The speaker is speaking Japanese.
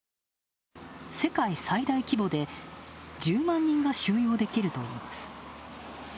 世界最大規模で１０万人が収容できるといいます。